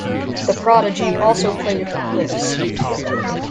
The Prodigy also played at the Cliffs.